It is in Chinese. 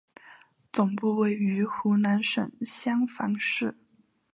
总部位于湖北省襄樊市。